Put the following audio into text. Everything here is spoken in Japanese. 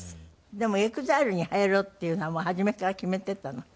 でもＥＸＩＬＥに入ろうっていうのは初めから決めていたの？